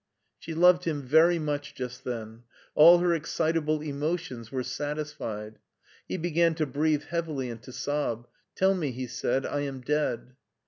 She loved him very much just then : all her excit able emotions were satisfied. He began to breathe heavily and to sob. Tell me," he said, " I am dead."